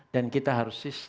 dan kita harus